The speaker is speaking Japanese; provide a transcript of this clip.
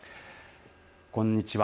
こんにちは。